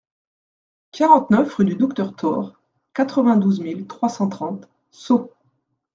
quarante-neuf rue du Docteur Thore, quatre-vingt-douze mille trois cent trente Sceaux